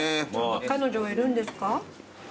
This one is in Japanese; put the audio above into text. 彼女はいるんですか？